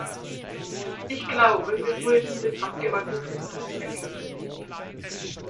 Ich glaube, wir schulden den Abgeordneten Respekt.